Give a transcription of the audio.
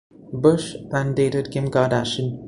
Bush then dated Kim Kardashian.